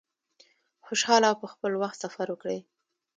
خوشحاله او په خپل وخت سفر وکړی.